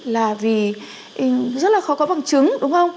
là vì rất là khó có bằng chứng đúng không